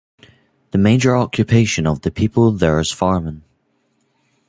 The major occupation of the people there is Farming.